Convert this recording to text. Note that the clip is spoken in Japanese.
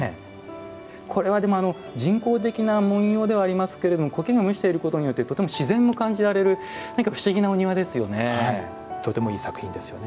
これは人工的な文様ではありますけれども苔がむしていることによってとても自然も感じられるとてもいい作品ですよね。